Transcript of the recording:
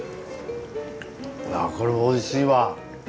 いやこれはおいしいわ。